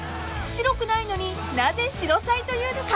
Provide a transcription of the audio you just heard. ［白くないのになぜシロサイというのか］